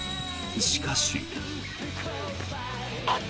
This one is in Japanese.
しかし。